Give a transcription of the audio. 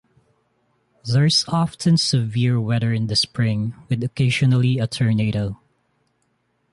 There is often severe weather in the spring, with occasionally a tornado.